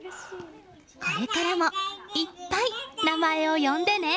これからもいっぱい名前を呼んでね！